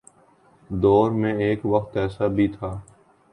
دور میں ایک وقت ایسا بھی تھا۔